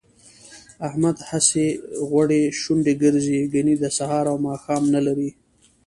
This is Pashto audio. احمد هسې غوړې شونډې ګرځي، ګني د سهار او ماښام نه لري